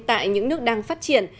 tại những nước đang phát triển